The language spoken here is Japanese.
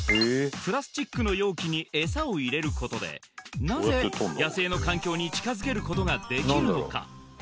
プラスチックの容器にエサを入れることでなぜ野生の環境に近づけることができるのか？